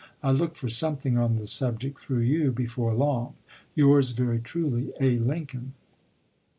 I look for something MS. on the subject, through you, before long. Yours very truly, A. Lincoln.